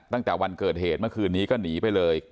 ตั้งแต่วันเกิดเหตุเมื่อคืนนี้ก็หนีไปเลย